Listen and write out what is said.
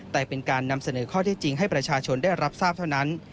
แต่เป็นการนำเสนอข้อที่จริงให้ประชาชนได้รับทราบเท่านั้น